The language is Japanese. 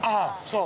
◆そう。